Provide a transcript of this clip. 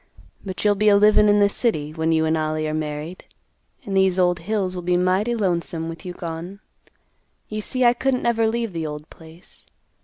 But you'll be a livin' in the city, when you and Ollie are married, and these old hills will be mighty lonesome with you gone. You see I couldn't never leave the old place.